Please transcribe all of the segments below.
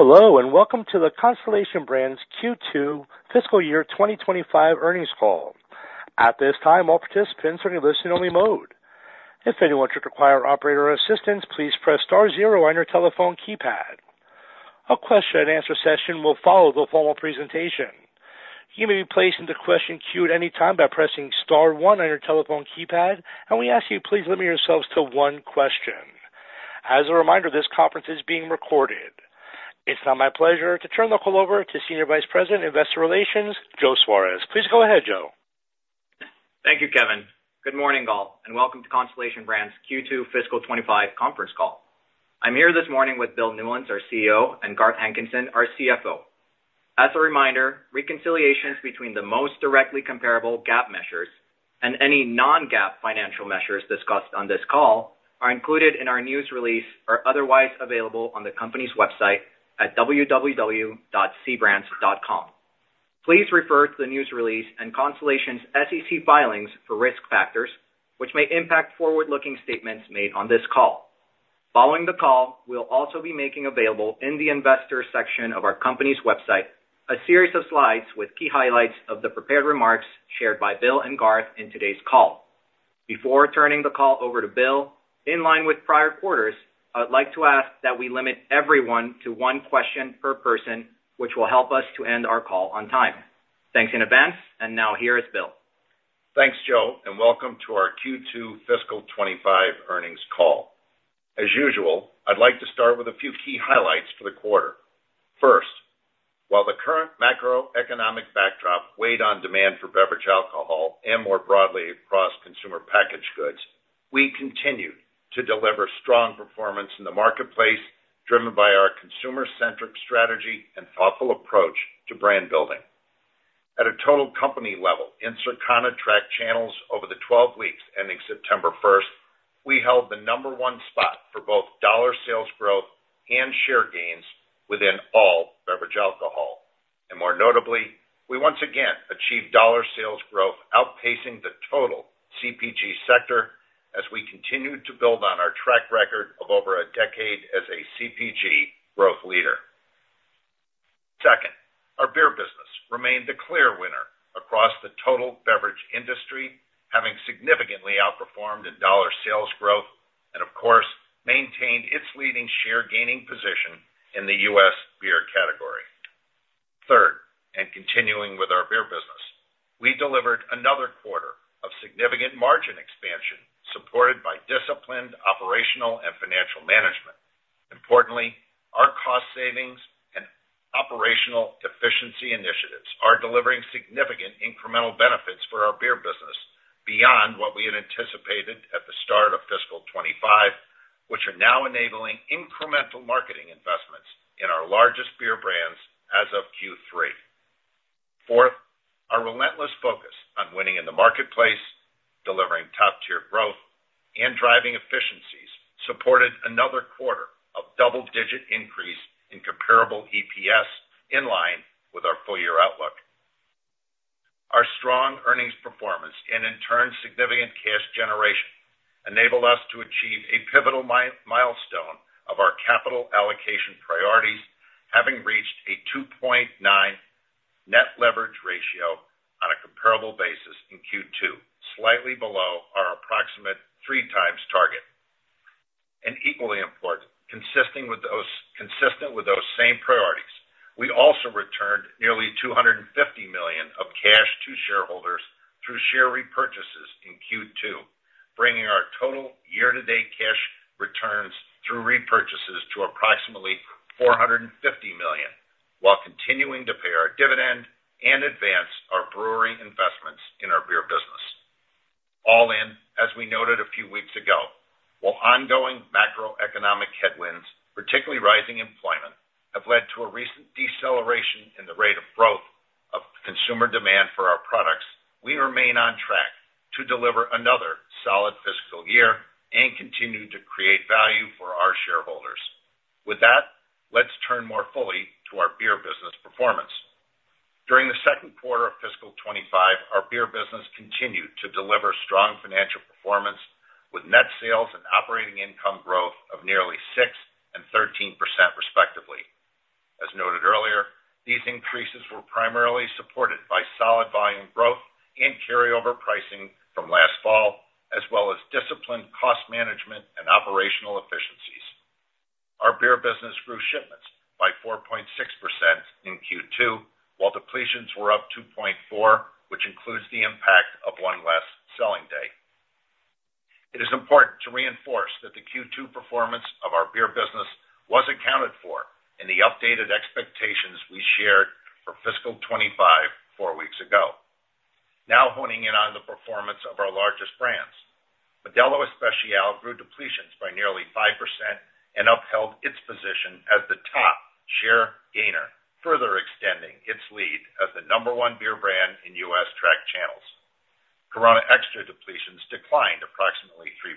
Hello, and welcome to the Constellation Brands Q2 fiscal year 2025 earnings call. At this time, all participants are in listen-only mode. If anyone should require operator assistance, please press star zero on your telephone keypad. A question-and-answer session will follow the formal presentation. You may be placed into question queue at any time by pressing star one on your telephone keypad, and we ask you please limit yourselves to one question. As a reminder, this conference is being recorded. It's now my pleasure to turn the call over to Senior Vice President, Investor Relations, Joe Suarez. Please go ahead, Joe. Thank you, Kevin. Good morning, all, and welcome to Constellation Brands Q2 Fiscal 2025 conference call. I'm here this morning with Bill Newlands, our CEO, and Garth Hankinson, our CFO. As a reminder, reconciliations between the most directly comparable GAAP measures and any non-GAAP financial measures discussed on this call are included in our news release or otherwise available on the company's website at www.cbrands.com. Please refer to the news release and Constellation's SEC filings for risk factors, which may impact forward-looking statements made on this call. Following the call, we'll also be making available in the investor section of our company's website, a series of slides with key highlights of the prepared remarks shared by Bill and Garth in today's call. Before turning the call over to Bill, in line with prior quarters, I'd like to ask that we limit everyone to one question per person, which will help us to end our call on time. Thanks in advance, and now here is Bill. Thanks, Joe, and welcome to our Q2 fiscal 2025 earnings call. As usual, I'd like to start with a few key highlights for the quarter. First, while the current macroeconomic backdrop weighed on demand for beverage alcohol and more broadly across consumer packaged goods, we continued to deliver strong performance in the marketplace, driven by our consumer-centric strategy and thoughtful approach to brand building. At a total company level, in Circana tracked channels over the 12 weeks ending September first, we held the number one spot for both dollar sales growth and share gains within all beverage alcohol, and more notably, we once again achieved dollar sales growth, outpacing the total CPG sector as we continued to build on our track record of over a decade as a CPG growth leader. Second, our beer business remained a clear winner across the total beverage industry, having significantly outperformed in dollar sales growth and of course, maintained its leading share gaining position in the U.S. beer category. Third, and continuing with our beer business, we delivered another quarter of significant margin expansion, supported by disciplined operational and financial management. Importantly, our cost savings and operational efficiency initiatives are delivering significant incremental benefits for our beer business beyond what we had anticipated at the start of fiscal 2025, which are now enabling incremental marketing investments in our largest beer brands as of Q3. Fourth, our relentless focus on winning in the marketplace, delivering top-tier growth, and driving efficiencies, supported another quarter of double-digit increase in comparable EPS in line with our full year outlook. Our strong earnings performance and in turn, significant cash generation, enabled us to achieve a pivotal milestone of our capital allocation priorities, having reached a 2.9 net leverage ratio on a comparable basis in Q2, slightly below our approximate 3x target. Equally important, consistent with those same priorities, we also returned nearly $250 million of cash to shareholders through share repurchases in Q2, bringing our total year-to-date cash returns through repurchases to approximately $450 million, while continuing to pay our dividend and advance our brewery investments in our beer business. All in, as we noted a few weeks ago, while ongoing macroeconomic headwinds, particularly rising employment, have led to a recent deceleration in the rate of growth of consumer demand for our products, we remain on track to deliver another solid fiscal year and continue to create value for our shareholders. With that, let's turn more fully to our beer business performance. During the second quarter of fiscal 2025, our beer business continued to deliver strong financial performance, with net sales and operating income growth of nearly 6% and 13%, respectively. As noted earlier, these increases were primarily supported by solid volume growth and carryover pricing from last fall, as well as disciplined cost management and operational efficiencies. Our beer business grew shipments by 4.6% in Q2, while depletions were up 2.4%, which includes the impact of one less selling day. It is important to reinforce that the Q2 performance of our beer business was accounted for in the updated expectations we shared for fiscal 2025, four weeks ago. Now, honing in on the performance of our largest brands. Modelo Especial grew depletions by nearly 5% and upheld its position as the top share gainer, further extending its lead as the number one beer brand in U.S. tracked channels. Corona Extra depletions declined approximately 3%.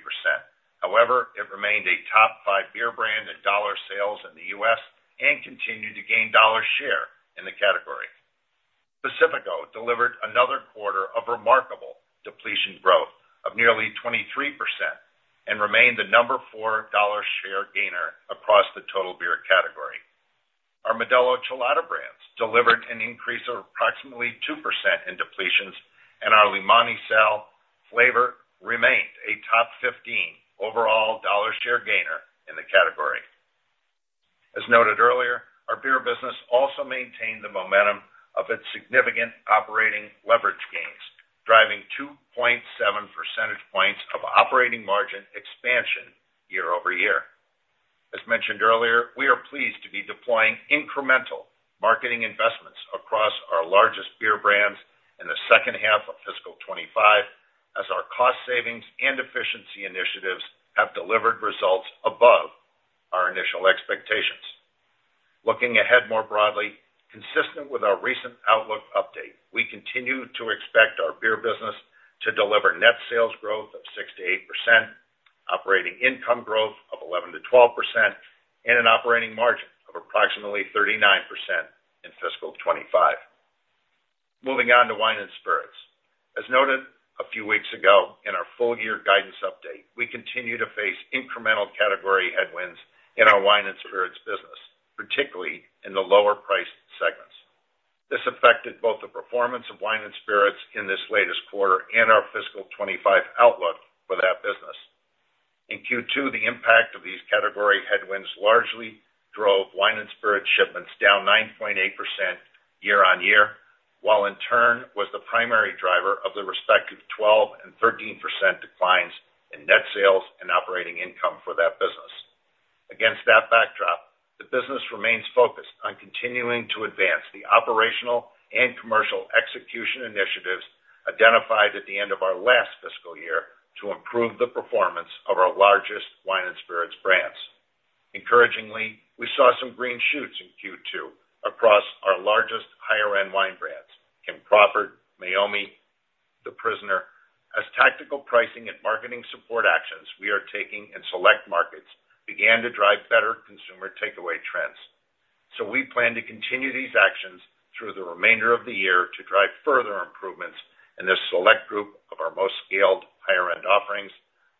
However, it remained a top five beer brand in dollar sales in the U.S. and continued to gain dollar share in the category.... Pacifico delivered another quarter of remarkable depletion growth of nearly 23%, and remained the number four dollar share gainer across the total beer category. Our Modelo Chelada brands delivered an increase of approximately 2% in depletions, and our Limón y Sal flavor remained a top 15 overall dollar share gainer in the category. As noted earlier, our beer business also maintained the momentum of its significant operating leverage gains, driving 2.7 percentage points of operating margin expansion year over year. As mentioned earlier, we are pleased to be deploying incremental marketing investments across our largest beer brands in the second half of fiscal 2025, as our cost savings and efficiency initiatives have delivered results above our initial expectations. Looking ahead more broadly, consistent with our recent outlook update, we continue to expect our beer business to deliver net sales growth of 6%-8%, operating income growth of 11%-12%, and an operating margin of approximately 39% in fiscal 2025. Moving on to wine and spirits. As noted a few weeks ago in our full year guidance update, we continue to face incremental category headwinds in our wine and spirits business, particularly in the lower priced segments. This affected both the performance of wine and spirits in this latest quarter and our fiscal 2025 outlook for that business. In Q2, the impact of these category headwinds largely drove wine and spirit shipments down 9.8% year on year, while in turn was the primary driver of the respective 12% and 13% declines in net sales and operating income for that business. Against that backdrop, the business remains focused on continuing to advance the operational and commercial execution initiatives identified at the end of our last fiscal year to improve the performance of our largest wine and spirits brands. Encouragingly, we saw some green shoots in Q2 across our largest higher-end wine brands, Kim Crawford, Meiomi, The Prisoner, as tactical pricing and marketing support actions we are taking in select markets began to drive better consumer takeaway trends, so we plan to continue these actions through the remainder of the year to drive further improvements in this select group of our most scaled higher-end offerings,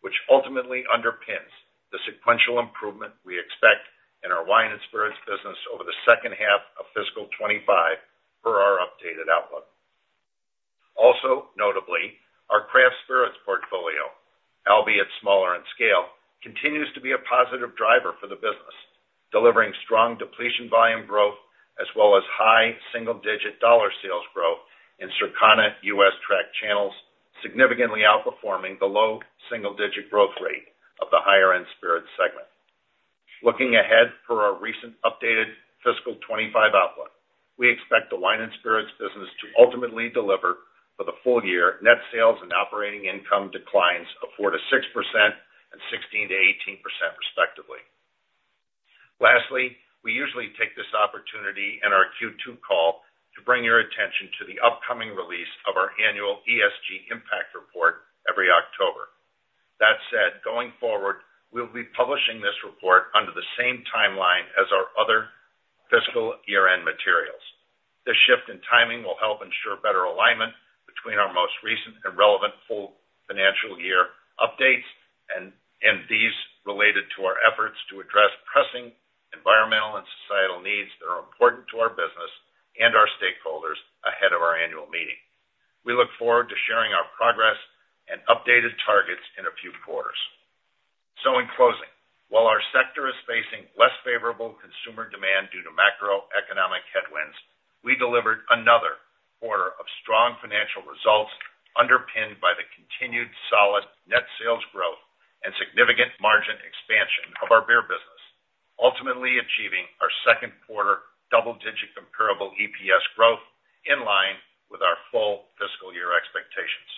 which ultimately underpins the sequential improvement we expect in our wine and spirits business over the second half of fiscal 2025 per our updated outlook. Also, notably, our craft spirits portfolio, albeit smaller in scale, continues to be a positive driver for the business, delivering strong depletion volume growth, as well as high single-digit dollar sales growth in Circana U.S. tracked channels, significantly outperforming the low single-digit growth rate of the higher-end spirit segment. Looking ahead to our recently updated fiscal 2025 outlook, we expect the wine and spirits business to ultimately deliver for the full year net sales and operating income declines of 4%-6% and 16-18% respectively. Lastly, we usually take this opportunity in our Q2 call to bring your attention to the upcoming release of our annual ESG Impact Report every October. That said, going forward, we'll be publishing this report under the same timeline as our other fiscal year-end materials. This shift in timing will help ensure better alignment between our most recent and relevant full financial year updates, and these related to our efforts to address pressing environmental and societal needs that are important to our business and our stakeholders ahead of our annual meeting. We look forward to sharing our progress and updated targets in a few quarters. So in closing, while our sector is facing less favorable consumer demand due to macroeconomic headwinds, we delivered another quarter of strong financial results, underpinned by the continued solid net sales growth and significant margin expansion of our beer business, ultimately achieving our second quarter double-digit comparable EPS growth in line with our full fiscal year expectations.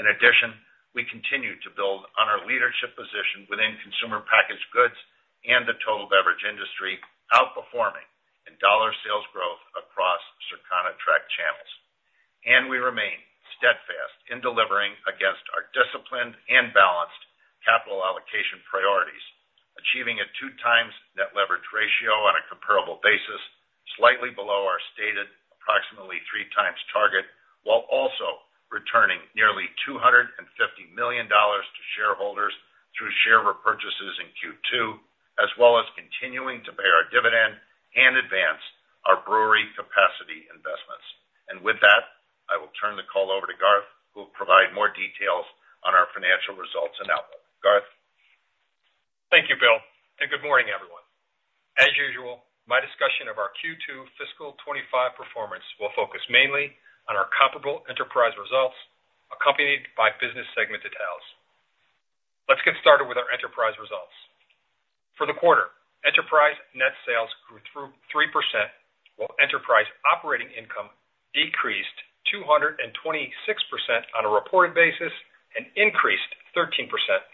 In addition, we continue to build on our leadership position within consumer packaged goods and the total beverage industry, outperforming in dollar sales growth across Circana track channels. And we remain steadfast in delivering against our disciplined and balanced capital allocation priorities, achieving a 2x net leverage ratio on a comparable basis, slightly below our stated approximately 3x target, while also returning nearly $250 million to shareholders through share repurchases in Q2, as well as continuing to pay our dividend and advance our brewery capacity investments. With that, I will turn the call over to Garth, who will provide more details on our financial results and outlook. Garth? Thank you, Bill, and good morning, everyone. As usual, my discussion of our Q2 fiscal 2025 performance will focus mainly on our comparable enterprise results, accompanied by business segment details. Let's get started with our enterprise results. For the quarter, enterprise net sales grew through 3%, while enterprise operating income decreased 226% on a reported basis and increased 13%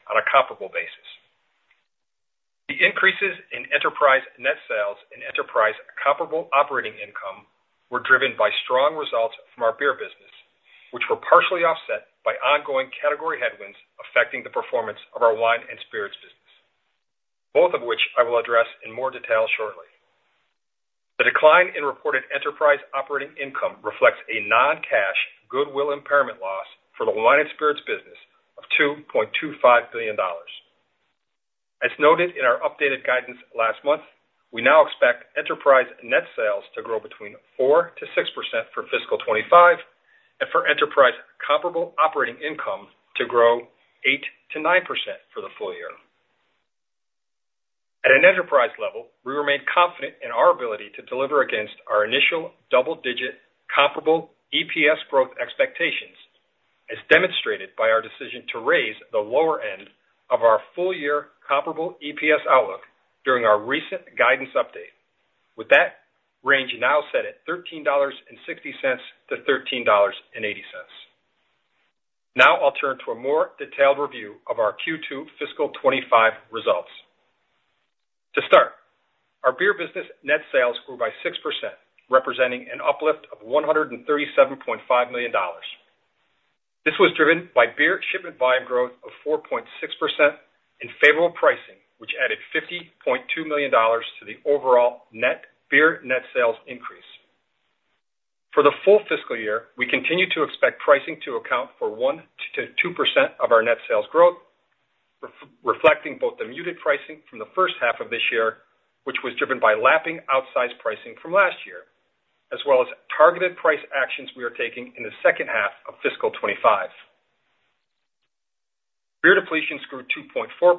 on a comparable basis. The increases in enterprise net sales and enterprise comparable operating income were driven by strong results from our beer business, which were partially offset by ongoing category headwinds affecting the performance of our wine and spirits business, both of which I will address in more detail shortly. The decline in reported enterprise operating income reflects a non-cash goodwill impairment loss for the Wine and Spirits business of $2.25 billion. As noted in our updated guidance last month, we now expect enterprise net sales to grow between 4%-6% for fiscal 2025, and for enterprise comparable operating income to grow 8%-9% for the full year. At an enterprise level, we remain confident in our ability to deliver against our initial double-digit comparable EPS growth expectations, as demonstrated by our decision to raise the lower end of our full year comparable EPS outlook during our recent guidance update. With that range now set at $13.60-$13.80. Now I'll turn to a more detailed review of our Q2 fiscal 2025 results. To start, our beer business net sales grew by 6%, representing an uplift of $137.5 million. This was driven by beer shipment volume growth of 4.6% in favorable pricing, which added $50.2 million to the overall net beer net sales increase. For the full fiscal year, we continue to expect pricing to account for 1%-2% of our net sales growth, reflecting both the muted pricing from the first half of this year, which was driven by lapping outsized pricing from last year, as well as targeted price actions we are taking in the second half of fiscal 2025. Beer depletions grew 2.4%,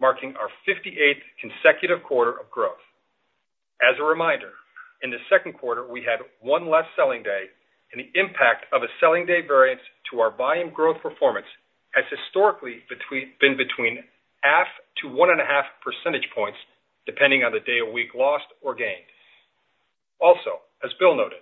marking our 58th consecutive quarter of growth. As a reminder, in the second quarter, we had one less selling day, and the impact of a selling day variance to our volume growth performance has historically been between half to one and a half percentage points, depending on the day of week lost or gained. Also, as Bill noted,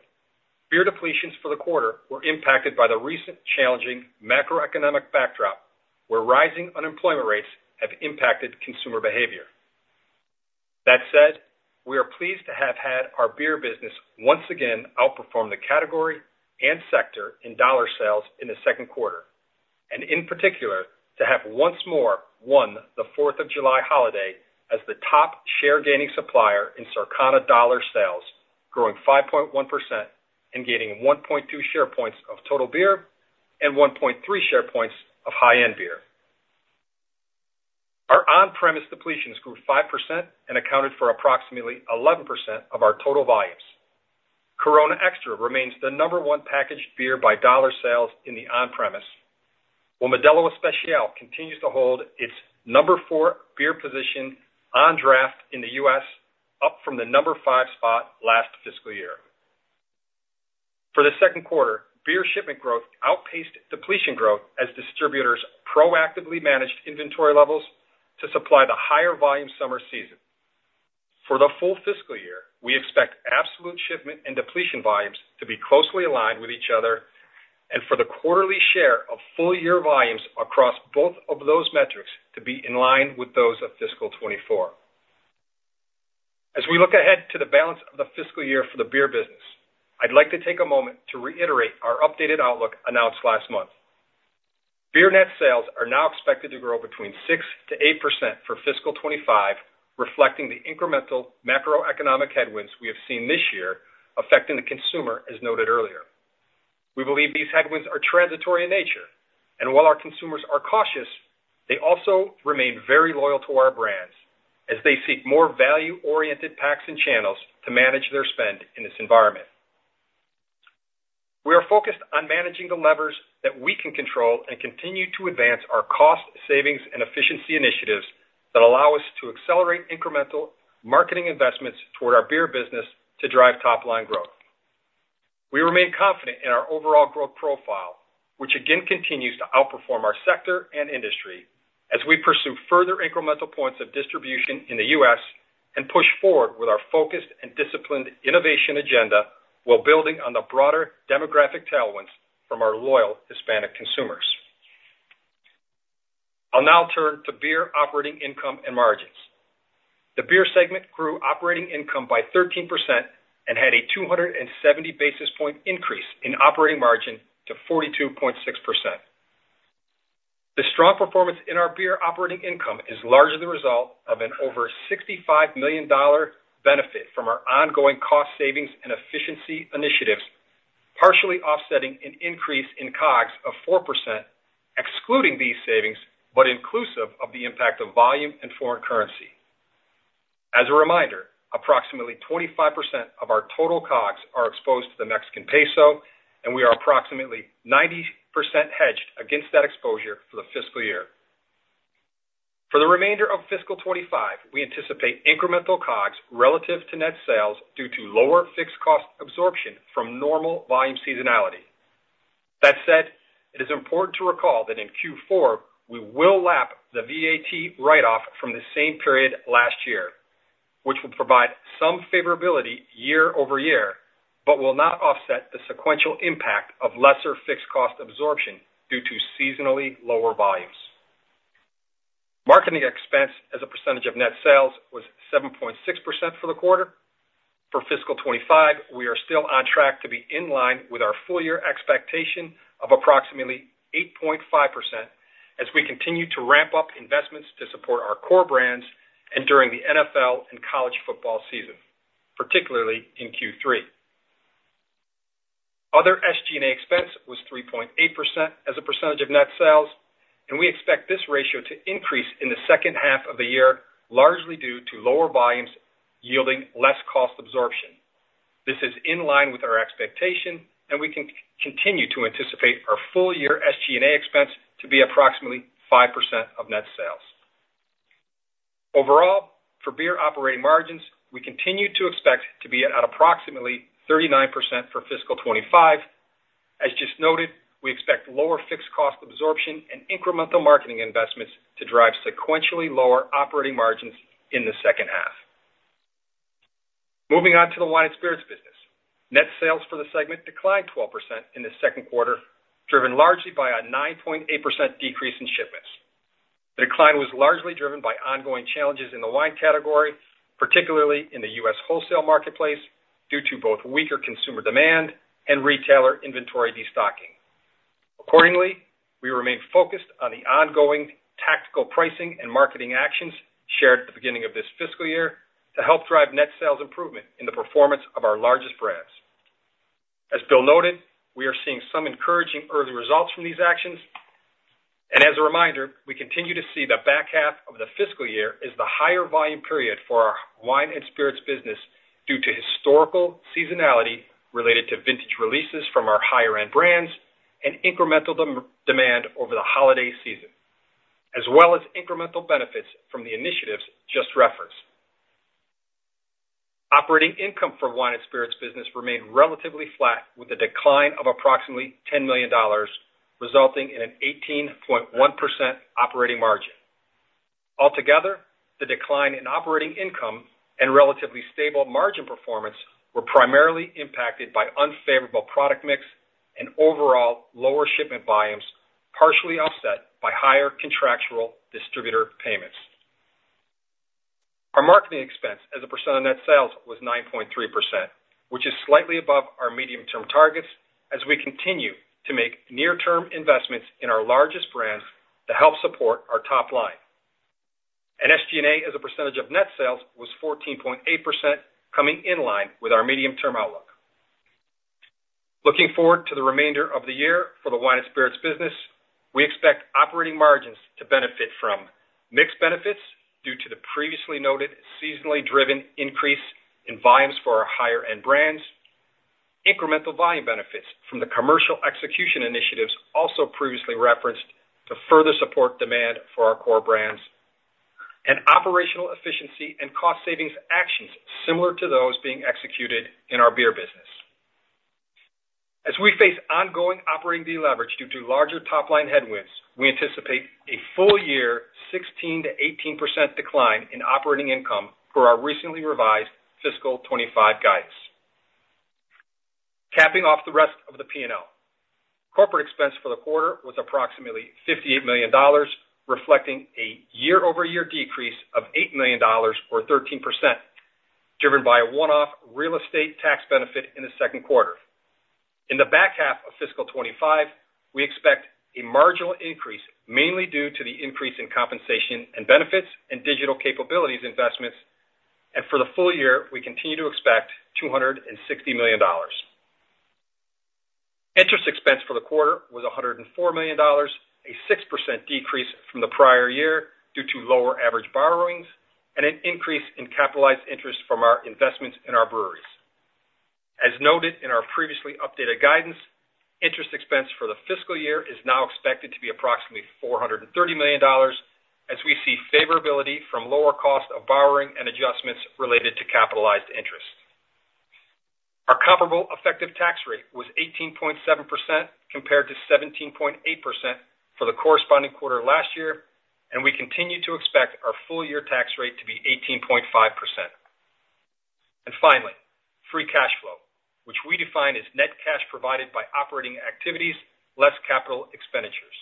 beer depletions for the quarter were impacted by the recent challenging macroeconomic backdrop, where rising unemployment rates have impacted consumer behavior. That said, we are pleased to have had our beer business once again outperform the category and sector in dollar sales in the second quarter, and in particular, to have once more won the 4th of July holiday as the top share gaining supplier in Circana dollar sales, growing 5.1% and gaining 1.2 share points of total beer and 1.3 share points of high-end beer. Our on-premise depletions grew 5% and accounted for approximately 11% of our total volumes. Corona Extra remains the number one packaged beer by dollar sales in the on-premise, while Modelo Especial continues to hold its number four beer position on draft in the U.S. up from the number five spot last fiscal year. For the second quarter, beer shipment growth outpaced depletion growth as distributors proactively managed inventory levels to supply the higher volume summer season. For the full fiscal year, we expect absolute shipment and depletion volumes to be closely aligned with each other, and for the quarterly share of full year volumes across both of those metrics to be in line with those of fiscal 2024. As we look ahead to the balance of the fiscal year for the beer business, I'd like to take a moment to reiterate our updated outlook announced last month. Beer net sales are now expected to grow between 6%-8% for fiscal 2025, reflecting the incremental macroeconomic headwinds we have seen this year affecting the consumer, as noted earlier. We believe these headwinds are transitory in nature, and while our consumers are cautious, they also remain very loyal to our brands as they seek more value-oriented packs and channels to manage their spend in this environment. We are focused on managing the levers that we can control, and continue to advance our cost savings and efficiency initiatives that allow us to accelerate incremental marketing investments toward our beer business to drive top line growth. We remain confident in our overall growth profile, which again, continues to outperform our sector and industry as we pursue further incremental points of distribution in the U.S. and push forward with our focused and disciplined innovation agenda, while building on the broader demographic tailwinds from our loyal Hispanic consumers. I'll now turn to beer operating income and margins. The beer segment grew operating income by 13% and had a 270 basis point increase in operating margin to 42.6%. The strong performance in our beer operating income is largely the result of an over $65 million benefit from our ongoing cost savings and efficiency initiatives, partially offsetting an increase in COGS of 4%, excluding these savings, but inclusive of the impact of volume and foreign currency. As a reminder, approximately 25% of our total COGS are exposed to the Mexican peso, and we are approximately 90% hedged against that exposure for the fiscal year. For the remainder of fiscal 2025, we anticipate incremental COGS relative to net sales due to lower fixed cost absorption from normal volume seasonality. That said, it is important to recall that in Q4, we will lap the VAT write-off from the same period last year, which will provide some favorability year over year, but will not offset the sequential impact of lesser fixed cost absorption due to seasonally lower volumes. Marketing expense as a percentage of net sales was 7.6% for the quarter. For fiscal 2025, we are still on track to be in line with our full year expectation of approximately 8.5%, as we continue to ramp up investments to support our core brands and during the NFL and college football season, particularly in Q3. Other SG&A expense was 3.8% as a percentage of net sales, and we expect this ratio to increase in the second half of the year, largely due to lower volumes yielding less cost absorption. This is in line with our expectation, and we can continue to anticipate our full year SG&A expense to be approximately 5% of net sales. Overall, for beer operating margins, we continue to expect to be at approximately 39% for fiscal 2025. As just noted, we expect lower fixed cost absorption and incremental marketing investments to drive sequentially lower operating margins in the second half. Moving on to the wine and spirits business. Net sales for the segment declined 12% in the second quarter, driven largely by a 9.8% decrease in shipments. The decline was largely driven by ongoing challenges in the wine category, particularly in the U.S. wholesale marketplace, due to both weaker consumer demand and retailer inventory destocking. Accordingly, we remain focused on the ongoing tactical pricing and marketing actions shared at the beginning of this fiscal year to help drive net sales improvement in the performance of our largest brands. As Bill noted, we are seeing some encouraging early results from these actions. As a reminder, we continue to see the back half of the fiscal year as the higher volume period for our wine and spirits business, due to historical seasonality related to vintage releases from our higher-end brands and incremental demand over the holiday season, as well as incremental benefits from the initiatives just referenced. Operating income for wine and spirits business remained relatively flat, with a decline of approximately $10 million, resulting in an 18.1% operating margin. Altogether, the decline in operating income and relatively stable margin performance were primarily impacted by unfavorable product mix and overall lower shipment volumes, partially offset by higher contractual distributor payments. Our marketing expense as a percent of net sales was 9.3%, which is slightly above our medium-term targets, as we continue to make near-term investments in our largest brands to help support our top line. And SG&A, as a percentage of net sales, was 14.8%, coming in line with our medium-term outlook. Looking forward to the remainder of the year for the wine and spirits business, we expect operating margins to benefit from mixed benefits due to the previously noted seasonally driven increase in volumes for our higher-end brands, incremental volume benefits from the commercial execution initiatives, also previously referenced, to further support demand for our core brands, and operational efficiency and cost savings actions similar to those being executed in our beer business. As we face ongoing operating deleverage due to larger top-line headwinds, we anticipate a full year 16%-18% decline in operating income for our recently revised fiscal 2025 guidance. Capping off the rest of the P&L. Corporate expense for the quarter was approximately $58 million, reflecting a year-over-year decrease of $8 million, or 13%, driven by a one-off real estate tax benefit in the second quarter. In the back half of fiscal 2025, we expect a marginal increase, mainly due to the increase in compensation and benefits and digital capabilities investments, and for the full year, we continue to expect $260 million. Interest expense for the quarter was $104 million, a 6% decrease from the prior year due to lower average borrowings and an increase in capitalized interest from our investments in our breweries. As noted in our previously updated guidance, interest expense for the fiscal year is now expected to be approximately $430 million, as we see favorability from lower cost of borrowing and adjustments related to capitalized interest. Our comparable effective tax rate was 18.7%, compared to 17.8% for the corresponding quarter last year, and we continue to expect our full year tax rate to be 18.5%. And finally, free cash flow, which we define as net cash provided by operating activities, less capital expenditures.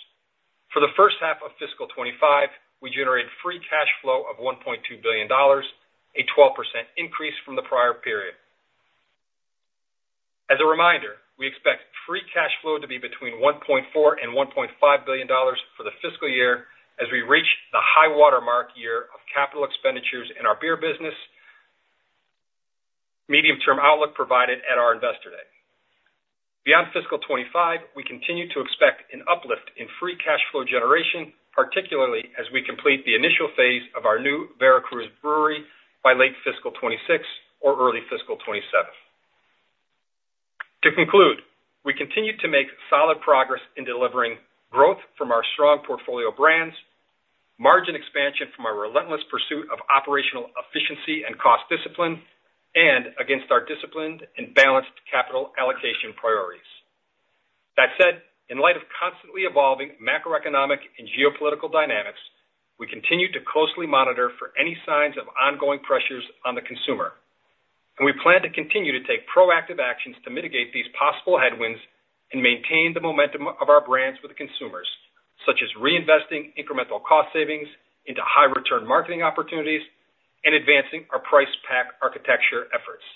For the first half of fiscal 2025, we generated free cash flow of $1.2 billion, a 12% increase from the prior period. As a reminder, we expect free cash flow to be between $1.4 billion and $1.5 billion for the fiscal year as we reach the high water mark year of capital expenditures in our beer business, medium-term outlook provided at our Investor Day. Beyond fiscal 2025, we continue to expect an uplift in free cash flow generation, particularly as we complete the initial phase of our new Veracruz brewery by late fiscal 2026 or early fiscal 2027. To conclude, we continue to make solid progress in delivering growth from our strong portfolio brands, margin expansion from our relentless pursuit of operational efficiency and cost discipline, and against our disciplined and balanced capital allocation priorities. That said, in light of constantly evolving macroeconomic and geopolitical dynamics, we continue to closely monitor for any signs of ongoing pressures on the consumer, and we plan to continue to take proactive actions to mitigate these possible headwinds and maintain the momentum of our brands with the consumers.... such as reinvesting incremental cost savings into high return marketing opportunities and advancing our price pack architecture efforts.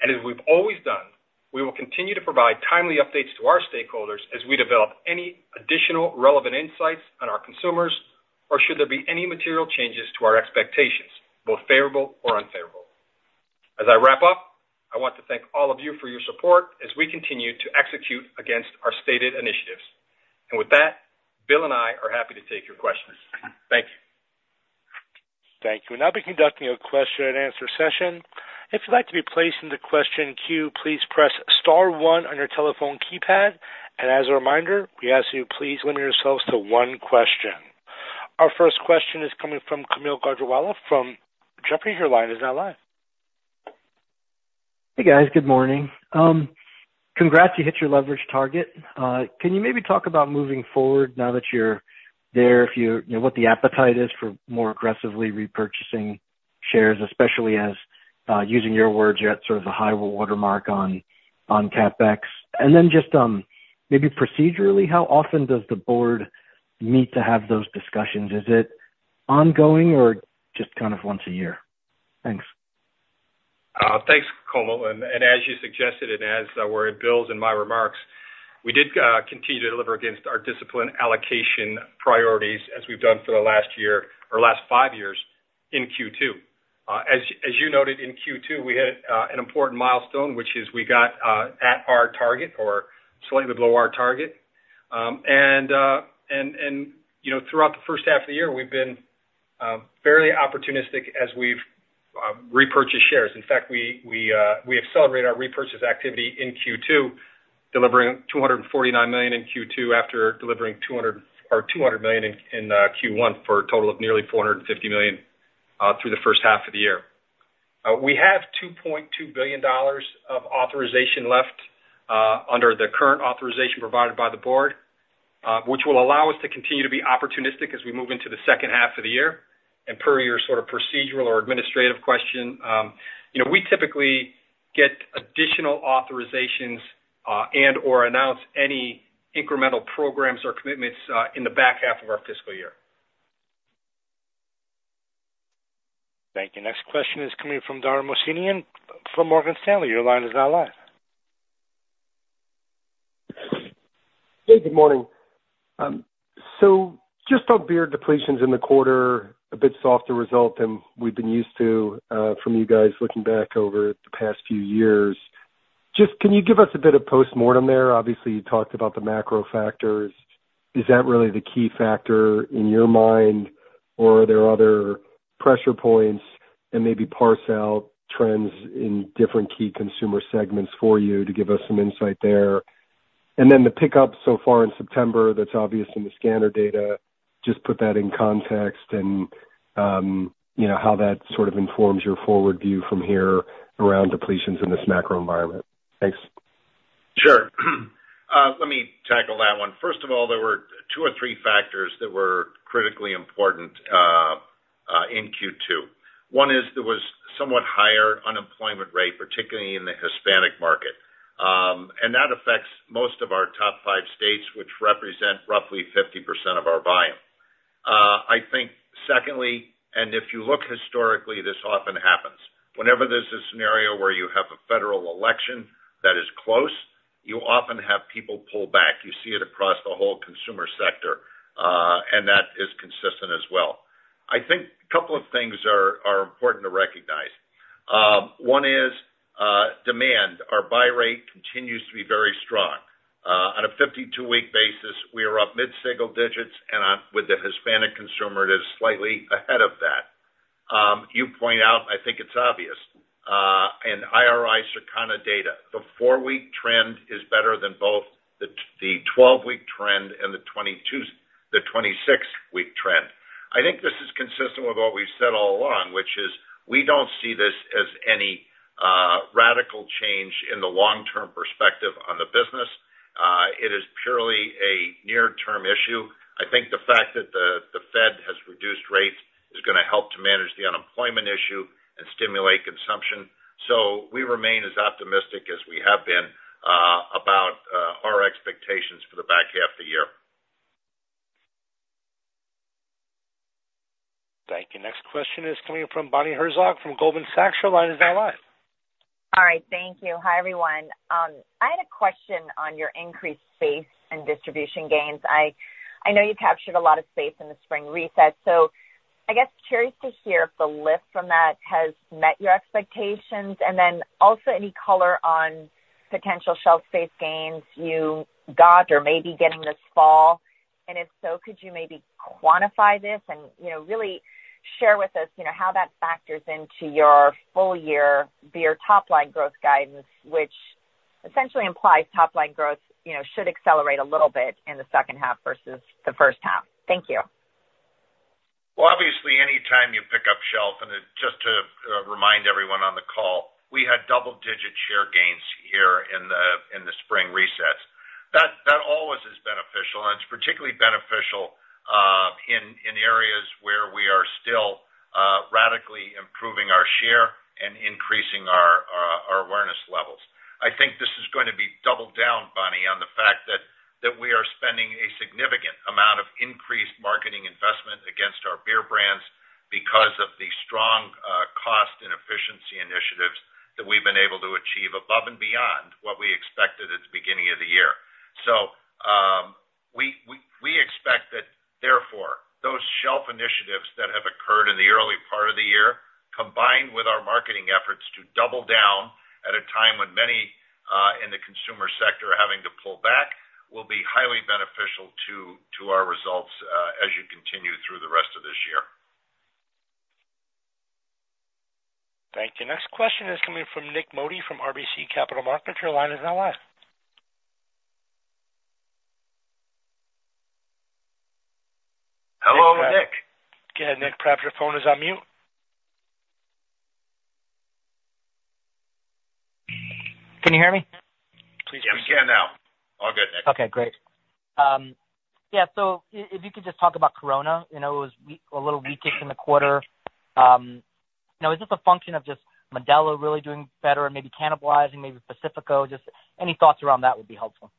And as we've always done, we will continue to provide timely updates to our stakeholders as we develop any additional relevant insights on our consumers, or should there be any material changes to our expectations, both favorable or unfavorable. As I wrap up, I want to thank all of you for your support as we continue to execute against our stated initiatives. And with that, Bill and I are happy to take your questions. Thank you. Thank you. We'll now be conducting a question and answer session. If you'd like to be placed in the question queue, please press star one on your telephone keypad. And as a reminder, we ask you, please limit yourselves to one question. Our first question is coming from Kaumil Gajrawala from Jefferies. Your line is now live. Hey, guys. Good morning. Congrats, you hit your leverage target. Can you maybe talk about moving forward now that you're there, if you know what the appetite is for more aggressively repurchasing shares, especially as, using your words, you're at sort of the high water mark on CapEx? And then just maybe procedurally, how often does the board meet to have those discussions? Is it ongoing or just kind of once a year? Thanks. Thanks, Kaumil. And as you suggested, and as we were in Bill's and my remarks, we did continue to deliver against our disciplined allocation priorities as we've done for the last year or last five years in Q2. As you noted, in Q2, we had an important milestone, which is we got at our target or slightly below our target. And you know, throughout the first half of the year, we've been fairly opportunistic as we've repurchased shares. In fact, we accelerated our repurchase activity in Q2, delivering $249 million in Q2 after delivering $200 million in Q1, for a total of nearly $450 million through the first half of the year. We have $2.2 billion of authorization left, under the current authorization provided by the board, which will allow us to continue to be opportunistic as we move into the second half of the year. And per your sort of procedural or administrative question, you know, we typically get additional authorizations, and/or announce any incremental programs or commitments, in the back half of our fiscal year. Thank you. Next question is coming from Dara Mohsenian Morgan Stanley. Your line is now live. Hey, good morning. So just on beer depletions in the quarter, a bit softer result than we've been used to, from you guys looking back over the past few years. Just, can you give us a bit of postmortem there? Obviously, you talked about the macro factors. Is that really the key factor in your mind, or are there other pressure points and maybe parse out trends in different key consumer segments for you to give us some insight there? And then the pickup so far in September, that's obvious in the scanner data. Just put that in context and, you know, how that sort of informs your forward view from here around depletions in this macro environment? Thanks. Sure. Let me tackle that one. First of all, there were two or three factors that were critically important in Q2. One is, there was somewhat higher unemployment rate, particularly in the Hispanic market, and that affects most of our top five states, which represent roughly 50% of our volume. I think secondly, and if you look historically, this often happens. Whenever there's a scenario where you have a federal election that is close, you often have people pull back. You see it across the whole consumer sector, and that is consistent as well. I think a couple of things are important to recognize. One is, demand. Our buy rate continues to be very strong. On a 52-week basis, we are up mid-single digits, and with the Hispanic consumer, it is slightly ahead of that. You point out, I think it's obvious, and IRI Circana data, the four-week trend is better than both the 12-week trend and the 26-week trend. I think this is consistent with what we've said all along, which is we don't see this as any radical change in the long-term perspective on the business. It is purely a near-term issue. I think the fact that the Fed has reduced rates is gonna help to manage the unemployment issue and stimulate consumption. So we remain as optimistic as we have been about our expectations for the back half of the year. Thank you. Next question is coming from Bonnie Herzog, from Goldman Sachs. Your line is now live. All right, thank you. Hi, everyone. I had a question on your increased space and distribution gains. I know you captured a lot of space in the spring reset, so I guess curious to hear if the lift from that has met your expectations, and then also any color on potential shelf space gains you got or may be getting this fall. And if so, could you maybe quantify this and, you know, really share with us, you know, how that factors into your full year beer top line growth guidance, which essentially implies top line growth, you know, should accelerate a little bit in the second half versus the first half. Thank you. Obviously, anytime you pick up shelf, and just to remind everyone on the call, we had double-digit share gains here in the spring reset. That always is beneficial, and it's particularly beneficial in areas where we are still radically improving our share and increasing our share. I think this is going to be doubling down, Bonnie, on the fact that we are spending a significant amount of increased marketing investment against our beer brands because of the strong cost and efficiency initiatives that we've been able to achieve above and beyond what we expected at the beginning of the year. We expect that, therefore, those shelf initiatives that have occurred in the early part of the year, combined with our marketing efforts to double down at a time when many in the consumer sector are having to pull back, will be highly beneficial to our results as you continue through the rest of this year. Thank you. Next question is coming from Nik Modi, from RBC Capital Markets. Your line is now live. Hello, Nick. Go ahead, Nik. Perhaps your phone is on mute. Can you hear me? Yeah, we can now. All good, Nick. Okay, great. Yeah, so if you could just talk about Corona, you know, it was a little weak in the quarter. Now, is this a function of just Modelo really doing better and maybe cannibalizing, maybe Pacifico? Just any thoughts around that would be helpful.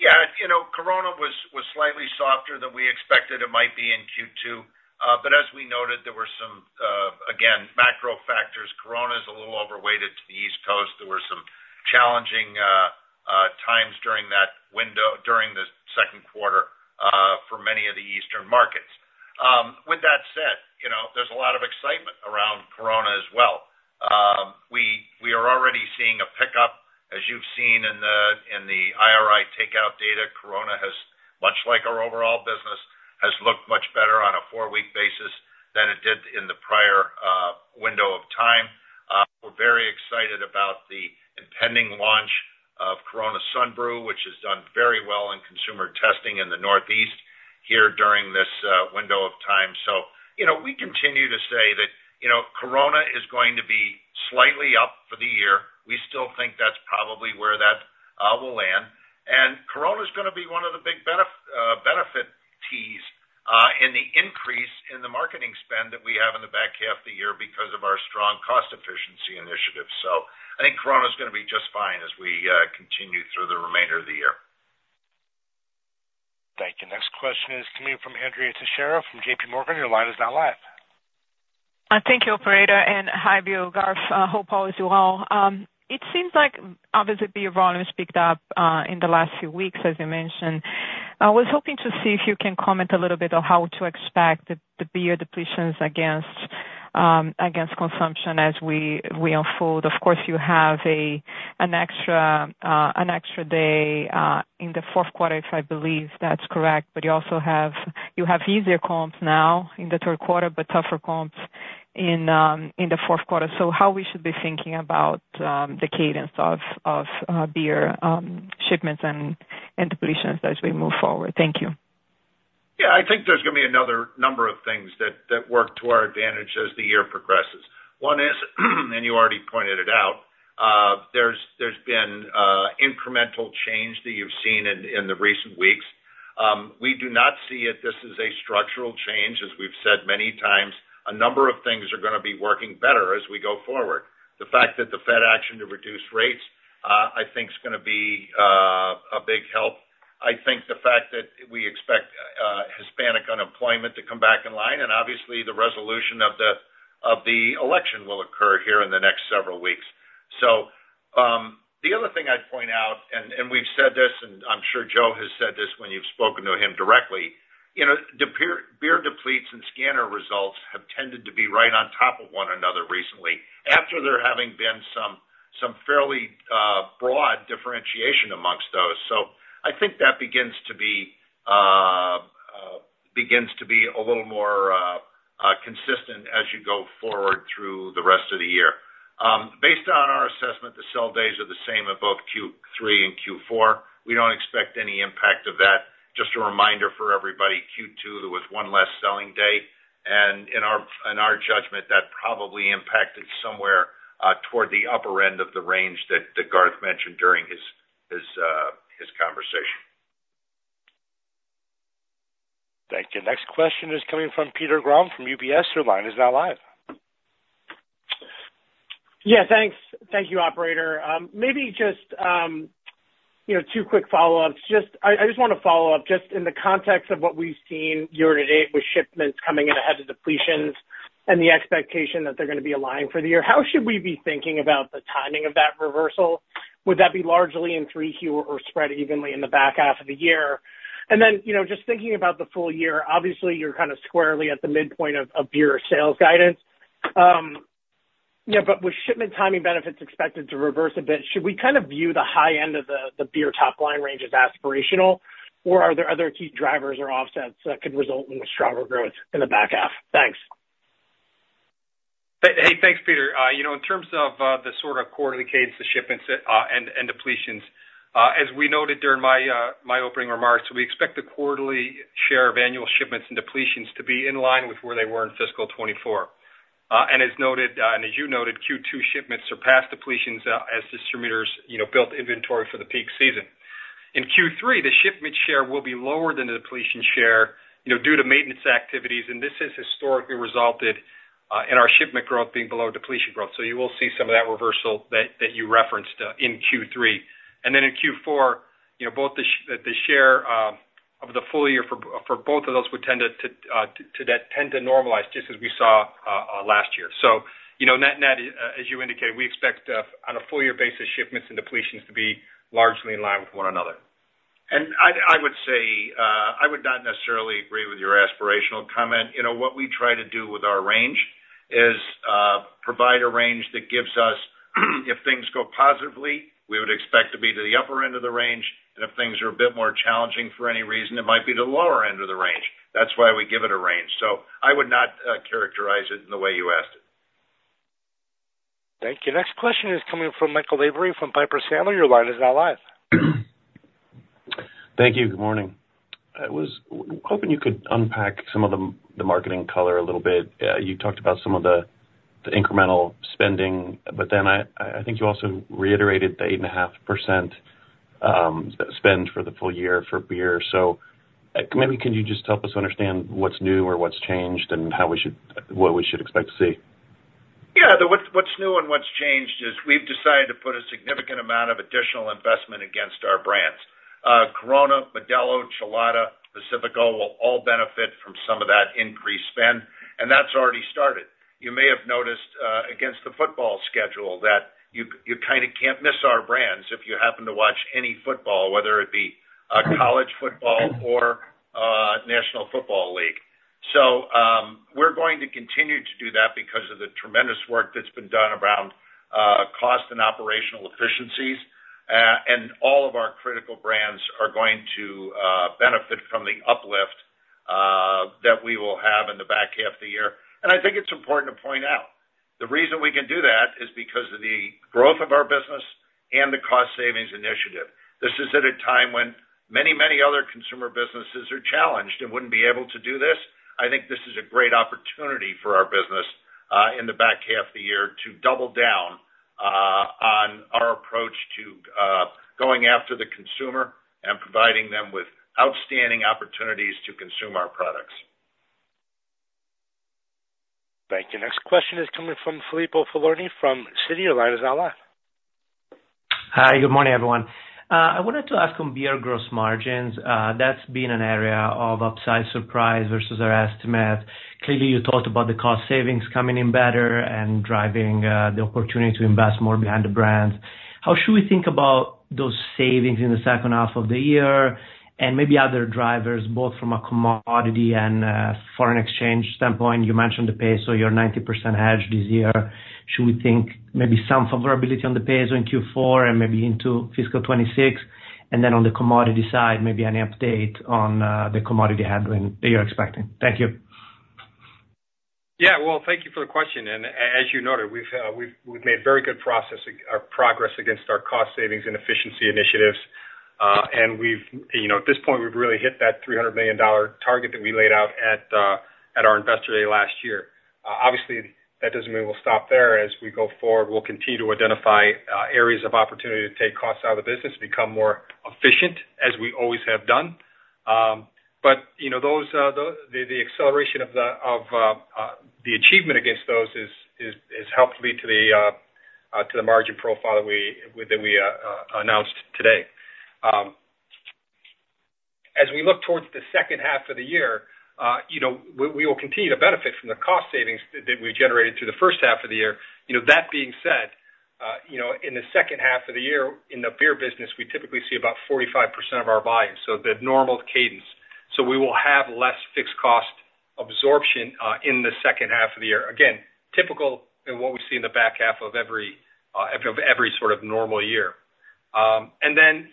Yeah, you know, Corona was slightly softer than we expected it might be in Q2, but as we noted, there were some, again, macro factors. Corona is a little overweighted to the East Coast. There were some challenging times during that window, during the second quarter, for many of the eastern markets. With that said, you know, there's a lot of excitement around Corona as well. We are already seeing a pickup, as you've seen in the IRI takeout data. Corona, much like our overall business, has looked much better on a four-week basis than it did in the prior window of time. We're very excited about the impending launch of Corona Sunbrew, which has done very well in consumer testing in the Northeast here during this window of time. So, you know, we continue to say that, you know, Corona is going to be slightly up for the year. We still think that's probably where that will land. And Corona is gonna be one of the big beneficiaries in the increase in the marketing spend that we have in the back half of the year because of our strong cost efficiency initiatives. So I think Corona is gonna be just fine as we continue through the remainder of the year. Thank you. Next question is coming from Andrea Teixeira from JP Morgan. Your line is now live. Thank you, operator, and hi, Bill, Garth. Hope all is well. It seems like obviously, beer volume has picked up in the last few weeks, as you mentioned. I was hoping to see if you can comment a little bit on how to expect the beer depletions against consumption as we unfold. Of course, you have an extra day in the fourth quarter, if I believe that's correct, but you also have easier comps now in the third quarter, but tougher comps in the fourth quarter. So how we should be thinking about the cadence of beer shipments and depletions as we move forward? Thank you. Yeah, I think there's gonna be another number of things that work to our advantage as the year progresses. One is, and you already pointed it out, there's been incremental change that you've seen in the recent weeks. We do not see it this is a structural change, as we've said many times. A number of things are gonna be working better as we go forward. The fact that the Fed action to reduce rates, I think is gonna be, a big help. I think the fact that we expect Hispanic unemployment to come back in line, and obviously, the resolution of the election will occur here in the next several weeks. So, the other thing I'd point out, and we've said this, and I'm sure Joe has said this when you've spoken to him directly, you know, the beer depletes and scanner results have tended to be right on top of one another recently, after there having been some fairly broad differentiation amongst those. So I think that begins to be a little more consistent as you go forward through the rest of the year. Based on our assessment, the sell days are the same in both Q3 and Q4. We don't expect any impact of that. Just a reminder for everybody, Q2, there was one less selling day, and in our judgment, that probably impacted somewhere toward the upper end of the range that Garth mentioned during his conversation. Thank you. Next question is coming from Peter Grom, from UBS. Your line is now live. Yeah, thanks. Thank you, operator. Maybe just, you know, two quick follow-ups. Just wanna follow up, just in the context of what we've seen year to date with shipments coming in ahead of depletions and the expectation that they're gonna be aligned for the year, how should we be thinking about the timing of that reversal? Would that be largely in 3Q or spread evenly in the back half of the year? And then, you know, just thinking about the full year, obviously, you're kind of squarely at the midpoint of beer sales guidance. Yeah, but with shipment timing benefits expected to reverse a bit, should we kind of view the high end of the beer top line range as aspirational, or are there other key drivers or offsets that could result in stronger growth in the back half? Thanks. Hey, hey, thanks, Peter. You know, in terms of the sort of quarterly case, the shipments and depletions as we noted during my opening remarks, we expect the quarterly share of annual shipments and depletions to be in line with where they were in fiscal 2024, and as noted, and as you noted, Q2 shipments surpassed depletions as distributors, you know, built inventory for the peak season. In Q3, the shipment share will be lower than the depletion share, you know, due to maintenance activities, and this has historically resulted in our shipment growth being below depletion growth, so you will see some of that reversal that you referenced in Q3. Then in Q4, you know, both the share of the full year for both of those would tend to normalize just as we saw last year. So, you know, net-net, as you indicated, we expect on a full year basis, shipments and depletions to be largely in line with one another. I would say I would not necessarily agree with your aspirational comment. You know, what we try to do with our range is provide a range that gives us, if things go positively, we would expect to be to the upper end of the range, and if things are a bit more challenging for any reason, it might be the lower end of the range. That's why we give it a range. So I would not characterize it in the way you asked it. Thank you. Next question is coming from Michael Lavery, from Piper Sandler. Your line is now live. Thank you. Good morning. I was hoping you could unpack some of the marketing color a little bit. You talked about some of the incremental spending, but then I think you also reiterated the 8.5% spend for the full year for beer. Maybe can you just help us understand what's new or what's changed, and how we should what we should expect to see? Yeah, what's new and what's changed is we've decided to put a significant amount of additional investment against our brands. Corona, Modelo Chelada, Pacifico will all benefit from some of that increased spend, and that's already started. You may have noticed against the football schedule that you kind of can't miss our brands if you happen to watch any football, whether it be college football or National Football League. We're going to continue to do that because of the tremendous work that's been done around cost and operational efficiencies. All of our critical brands are going to benefit from the uplift that we will have in the back half of the year. I think it's important to point out, the reason we can do that is because of the growth of our business and the cost savings initiative. This is at a time when many, many other consumer businesses are challenged and wouldn't be able to do this. I think this is a great opportunity for our business, in the back half of the year, to double down, on our approach to, going after the consumer and providing them with outstanding opportunities to consume our products. Thank you. Next question is coming from Filippo Falorni, from Citi. Your line is now live. Hi, good morning, everyone. I wanted to ask on beer gross margins. That's been an area of upside surprise versus our estimate. Clearly, you talked about the cost savings coming in better and driving the opportunity to invest more behind the brands. How should we think about those savings in the second half of the year, and maybe other drivers, both from a commodity and foreign exchange standpoint? You mentioned the peso, you're 90% hedged this year. Should we think maybe some favorability on the peso in Q4 and maybe into fiscal 2026? And then on the commodity side, maybe any update on the commodity hedging that you're expecting? Thank you. Yeah, well, thank you for the question, and as you noted, we've made very good progress against our cost savings and efficiency initiatives. And we've, you know, at this point, we've really hit that $300 million target that we laid out at our Investor Day last year. Obviously, that doesn't mean we'll stop there. As we go forward, we'll continue to identify areas of opportunity to take costs out of the business, become more efficient, as we always have done. But, you know, the acceleration of the achievement against those is helped lead to the margin profile that we announced today. As we look towards the second half of the year, you know, we, we will continue to benefit from the cost savings that we generated through the first half of the year. You know, that being said, you know, in the second half of the year, in the beer business, we typically see about 45% of our volume, so the normal cadence. So we will have less fixed cost absorption in the second half of the year. Again, typical in what we see in the back half of every of every sort of normal year. And then,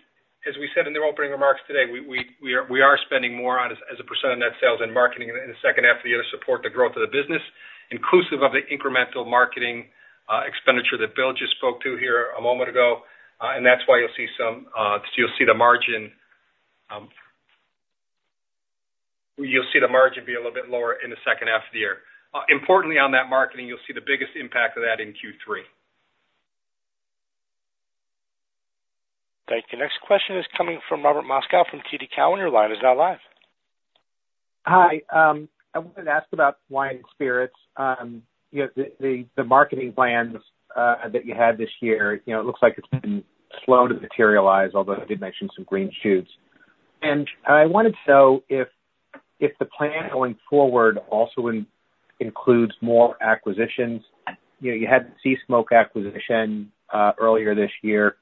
as we said in the opening remarks today, we are spending more, as a percent of net sales, on marketing in the second half of the year to support the growth of the business, inclusive of the incremental marketing expenditure that Bill just spoke to here a moment ago. And that's why you'll see the margin be a little bit lower in the second half of the year. Importantly, on that marketing, you'll see the biggest impact of that in Q3. Thank you. Next question is coming from Robert Moskow, from TD Cowen, your line is now live. Hi, I wanted to ask about wine and spirits. You know, the marketing plans that you had this year, you know, it looks like it's been slow to materialize, although you did mention some green shoots. And I wanted to know if the plan going forward also includes more acquisitions. You know, you had the Sea Smoke acquisition earlier this year.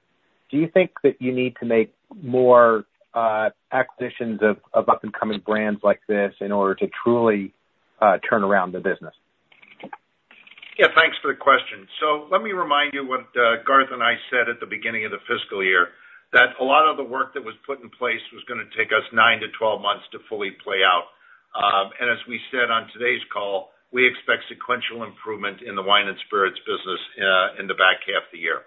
Do you think that you need to make more acquisitions of up-and-coming brands like this in order to truly turn around the business? Yeah, thanks for the question. So let me remind you what, Garth and I said at the beginning of the fiscal year, that a lot of the work that was put in place was gonna take us nine to 12 months to fully play out. And as we said on today's call, we expect sequential improvement in the wine and spirits business, in the back half of the year.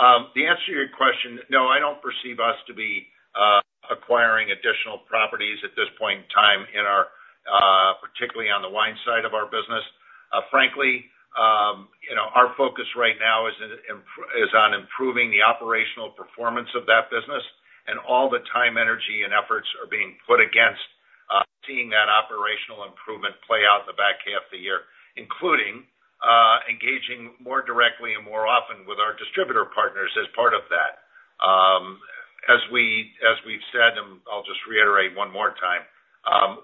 To answer your question: No, I don't perceive us to be,... acquiring additional properties at this point in time in our, particularly on the wine side of our business. Frankly, you know, our focus right now is in, is on improving the operational performance of that business, and all the time, energy, and efforts are being put against, seeing that operational improvement play out in the back half of the year, including, engaging more directly and more often with our distributor partners as part of that. As we've said, and I'll just reiterate one more time,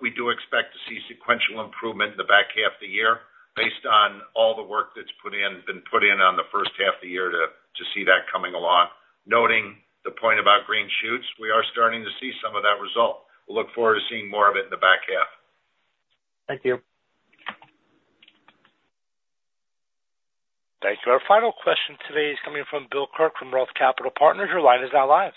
we do expect to see sequential improvement in the back half of the year based on all the work that's been put in on the first half of the year to see that coming along. Noting the point about green shoots, we are starting to see some of that result. We'll look forward to seeing more of it in the back half. Thank you. Thank you. Our final question today is coming from Bill Kirk from Roth Capital Partners. Your line is now live.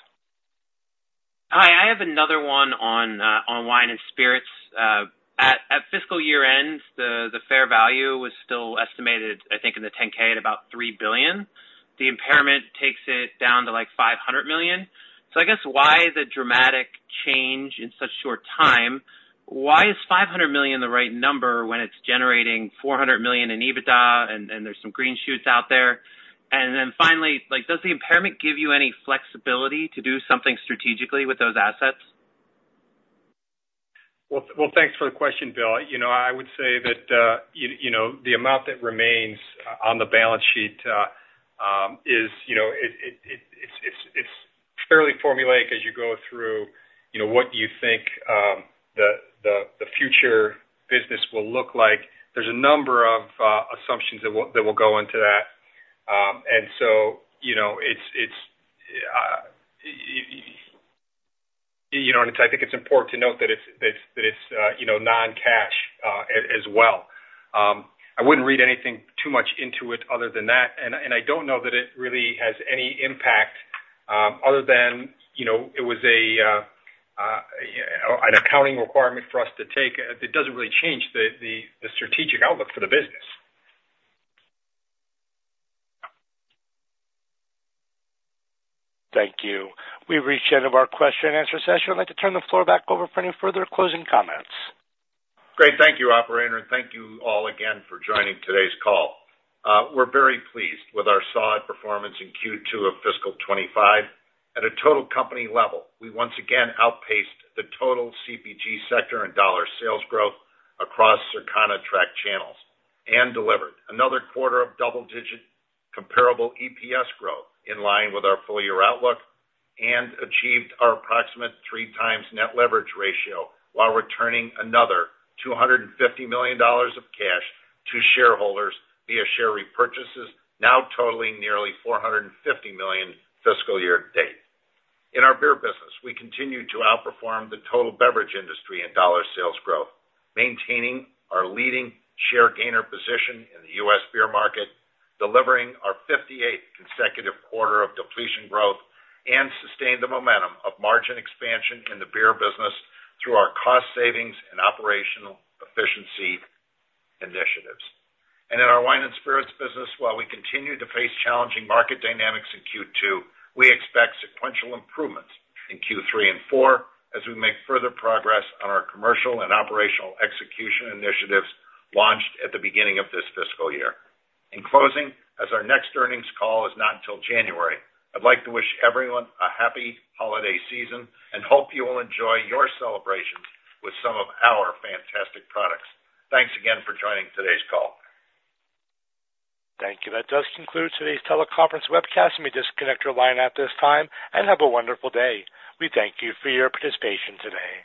Hi, I have another one on wine and spirits. At fiscal year end, the fair value was still estimated, I think, in the 10K at about $3 billion. The impairment takes it down to, like, $500 million. So I guess why the dramatic change in such a short time? Why is $500 million the right number when it's generating $400 million in EBITDA and there's some green shoots out there? And then finally, like, does the impairment give you any flexibility to do something strategically with those assets? Thanks for the question, Bill. You know, I would say that you know the amount that remains on the balance sheet is you know it's fairly formulaic as you go through you know what you think the future business will look like. There's a number of assumptions that will go into that. And so you know it's you know and I think it's important to note that it's non-cash as well. I wouldn't read anything too much into it other than that and I don't know that it really has any impact other than you know it was an accounting requirement for us to take. It doesn't really change the strategic outlook for the business. Thank you. We've reached the end of our question and answer session. I'd like to turn the floor back over for any further closing comments. Great. Thank you, operator, and thank you all again for joining today's call. We're very pleased with our solid performance in Q2 of fiscal 2025. At a total company level, we once again outpaced the total CPG sector and dollar sales growth across Circana track channels, and delivered another quarter of double-digit comparable EPS growth in line with our full year outlook, and achieved our approximate 3x net leverage ratio, while returning another $250 million of cash to shareholders via share repurchases, now totaling nearly $450 million fiscal year to date. In our beer business, we continue to outperform the total beverage industry in dollar sales growth, maintaining our leading share gainer position in the U.S. beer market, delivering our 58 consecutive quarter of depletion growth, and sustained the momentum of margin expansion in the beer business through our cost savings and operational efficiency initiatives, and in our wine and spirits business, while we continue to face challenging market dynamics in Q2, we expect sequential improvements in Q3 and Q4 as we make further progress on our commercial and operational execution initiatives launched at the beginning of this fiscal year. In closing, as our next earnings call is not until January, I'd like to wish everyone a happy holiday season and hope you will enjoy your celebrations with some of our fantastic products. Thanks again for joining today's call. Thank you. That does conclude today's teleconference webcast. You may disconnect your line at this time, and have a wonderful day. We thank you for your participation today.